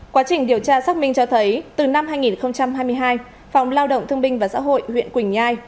quá trình điều tra xác minh cho thấy từ năm hai nghìn hai mươi hai phòng lao động thương binh và xã hội huyện quỳnh nhai